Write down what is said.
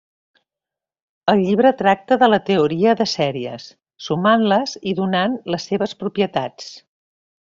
El llibre tracta de la teoria de sèries, sumant-les i donant les seves propietats.